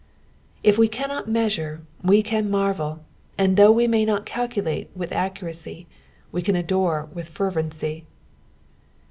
If we cannot measure we can marvel ; and though we ma; not calculate with accuracy, wo can adore with fervency.